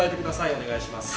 お願いします。